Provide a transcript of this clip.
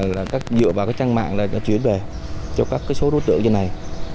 là các dựa vào cái trang mạng nó chuyển về cho các số đối tượng như này